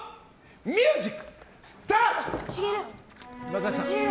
ミュージック、スタート！